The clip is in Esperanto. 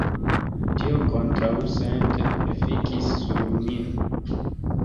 Tio kontraŭsente efikis sur min.